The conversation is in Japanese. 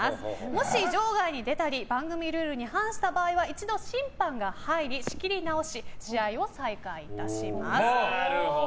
もし場外に出たり番組ルールに反した場合は一度、審判が入り仕切り直し試合を再開いたします。